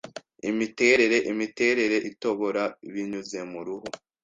imiterere, imiterere itobora binyuze mu ruhu ....'